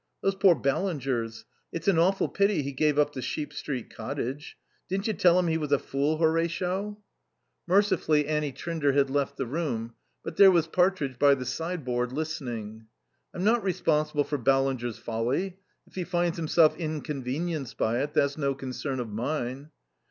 "Those poor Ballingers! It's an awful pity he gave up the Sheep Street cottage. Didn't you tell him he was a fool, Horatio?" Mercifully Annie Trinder had left the room. But there was Partridge by the sideboard, listening. "I'm not responsible for Ballinger's folly. If he finds himself inconvenienced by it, that's no concern of mine."